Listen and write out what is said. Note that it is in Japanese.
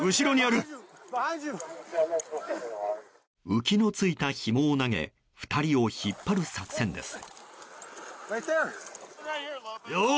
浮きのついたひもを投げ２人を引っ張る作戦です。